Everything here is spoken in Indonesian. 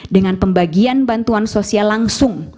dengan pembagian bantuan sosial langsung